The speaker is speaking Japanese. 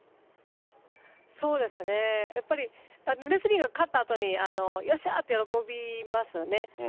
そうですね、やっぱりレスリングは勝ったあとに、よっしゃーって喜びますよね。